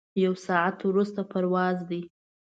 یو ساعت وروسته پرواز دی.